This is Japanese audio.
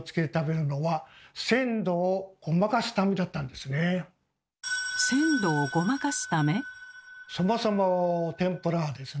でもそもそも天ぷらはですね